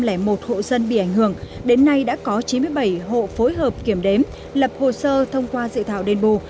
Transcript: nhiều hộ dân bị ảnh hưởng đến nay đã có chín mươi bảy hộ phối hợp kiểm đếm lập hồ sơ thông qua dự thảo đền bù